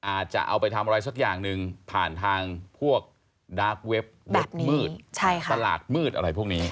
อาจจะเอาไปทำอะไรสักอย่างหนึ่งผ่านทางพวกดาร์กเว็บเด็ดมืดตลาดมืดอะไรพวกนี้